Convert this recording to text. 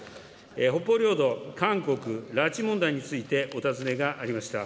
北方領土、韓国、拉致問題についてお尋ねがありました。